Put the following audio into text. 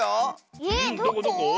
えっどこ？